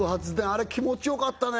あれ気持ちよかったね